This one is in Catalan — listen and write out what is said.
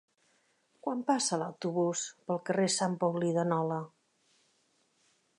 Quan passa l'autobús pel carrer Sant Paulí de Nola?